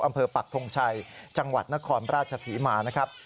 ปักทงชัยจังหวัดนครราชศรีมานะครับ